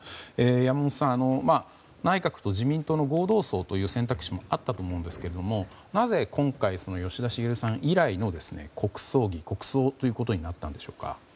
山本さん内閣と自民党の合同葬という選択肢もあったと思うんですがなぜ今回、吉田茂さん以来の国葬儀国葬となったんでしょうか。